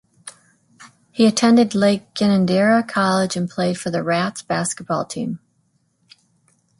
He attended Lake Ginninderra College and played for the Rats basketball team.